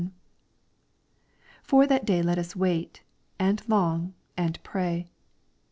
For that day let us wait, and long, and pray.